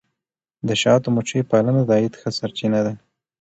د شاتو مچیو پالنه د عاید ښه سرچینه ده.